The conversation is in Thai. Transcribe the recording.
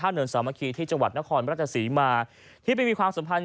พรรณเนินศาสนคีย์ที่จังหวัดนครบรัฐศรีมาที่ไปมีความสัมพันธ์